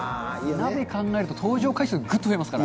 鍋考えると、登場回数ぐっと増えますから。